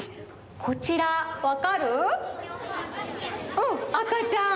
うん赤ちゃん。